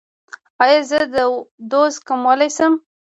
ایا زه دوز کمولی شم؟